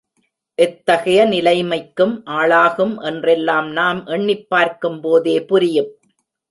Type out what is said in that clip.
எத்தகைய நிலைமைக்கு ஆளாகும் என்றெல்லாம் நாம் எண்ணிப் பார்க்கும் போதே புரியும்.